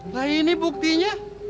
nah ini buktinya